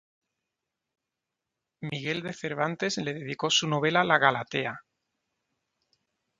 Miguel de Cervantes le dedicó su novela La Galatea.